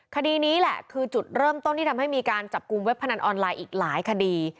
คดีนี้แหละคือจุดเริ่มต้นที่ทำให้มีการจับกลุ่มเว็บพนันออนไลน์อีกหลายคดี